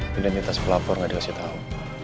tidak dikasih tahu